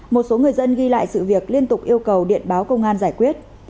một số người dân ghi lại sự việc liên tục yêu cầu điện báo công an giải quyết